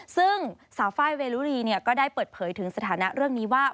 ซึ่งสาวไฟล์เวรุรีก็ได้เปิดเผยถึงสถานะเรื่องนี้ว่า